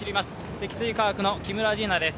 積水化学の木村梨七です。